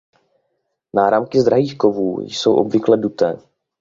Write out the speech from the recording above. Náramky z drahých kovů jsou obvykle duté.